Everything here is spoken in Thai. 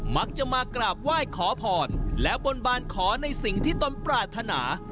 มักจะมากราบไหว้ขอพรและบนบานขอในสิ่งที่ตนปรารถนา